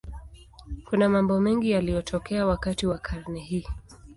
Kuna mambo mengi yaliyotokea wakati wa karne hii.